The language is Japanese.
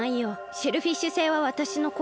シェルフィッシュ星はわたしのこ